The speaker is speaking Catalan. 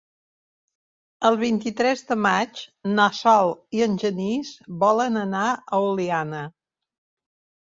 El vint-i-tres de maig na Sol i en Genís volen anar a Oliana.